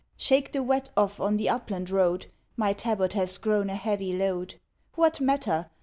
Shake the wet off on the upland road; My tabard has grown a heavy load. What matter?